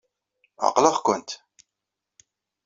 Ɛeqleɣ-kent.